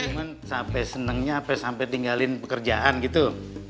emang sampe senengnya sampe tinggalin pekerjaan gitu